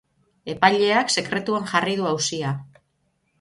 Epaileak sekretuan jarri du auzia.